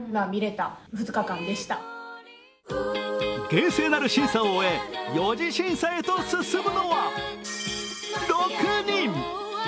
厳正なる審査を終え４次審査へと進むのは６人。